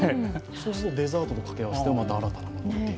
そうするとデザートと掛け合わせて、また新たなものという。